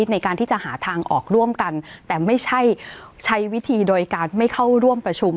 ในการที่จะหาทางออกร่วมกันแต่ไม่ใช่ใช้วิธีโดยการไม่เข้าร่วมประชุม